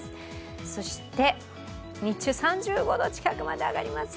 そして日中３５度近くまで上がります。